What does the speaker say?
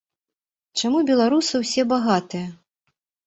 Чаму беларусы ўсе багатыя?